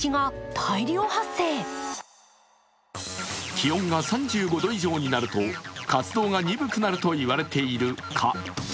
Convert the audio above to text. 気温が３５度以上になると活動が鈍くなると言われている蚊。